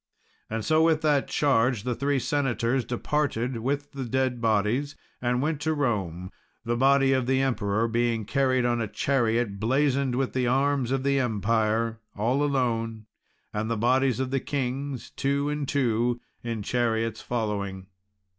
So, with that charge, the three senators departed with the dead bodies, and went to Rome; the body of the Emperor being carried in a chariot blazoned with the arms of the empire, all alone, and the bodies of the kings two and two in chariots following.